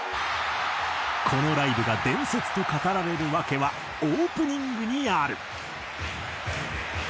このライブが伝説と語られる訳はオープニングにある。